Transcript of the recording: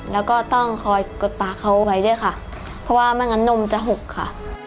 แล้วก็ต้องคอยกดปากเขาไว้ด้วยค่ะเพราะว่าไม่งั้นนมจะหกค่ะ